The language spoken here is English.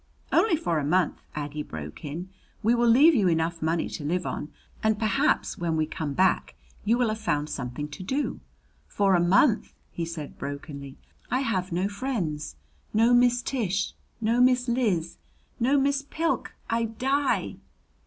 "Only for a month," Aggie broke in. "We will leave you enough money to live on; and perhaps when we come back you will have found something to do " "For a month," he said brokenly. "I have no friends, no Miss Tish, no Miss Liz, no Miss Pilk. I die!"